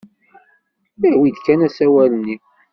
Awi-d kan asawal-nni.